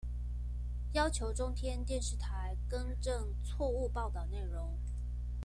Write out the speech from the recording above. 要求中天電視台更正錯誤報導內容